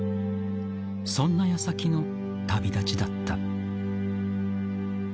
そんな矢先の旅立ちだった。